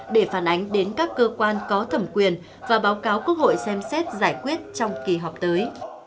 để phản ánh đến các cơ quan có thẩm quyền và báo cáo quốc hội xem xét giải quyết trong kỳ họp tới